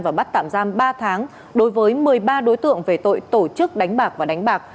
và bắt tạm giam ba tháng đối với một mươi ba đối tượng về tội tổ chức đánh bạc và đánh bạc